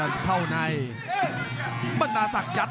รับทราบบรรดาศักดิ์